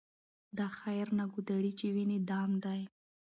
دا خیرنه ګودړۍ چي وینې دام دی